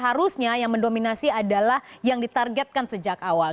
harusnya yang mendominasi adalah yang ditargetkan sejak awal